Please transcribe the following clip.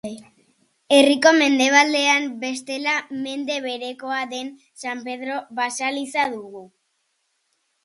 Herriko mendebaldean, bestela, mende berekoa den San Pedro baseliza dugu.